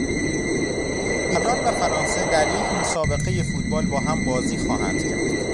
ایران و فرانسه در یک مسابقهی فوتبال با هم بازی خواهند کرد.